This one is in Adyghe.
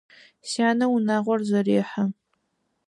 Сянэ унагъор зэрехьэ.